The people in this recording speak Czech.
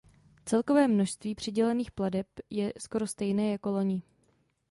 Celkové množství přidělených plateb je skoro stejné jako loni.